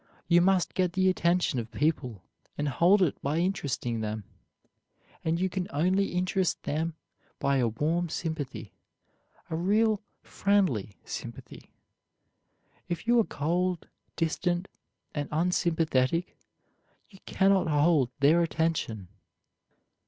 You must get the attention of people and hold it by interesting them, and you can only interest them by a warm sympathy a real friendly sympathy. If you are cold, distant, and unsympathetic you can not hold their attention.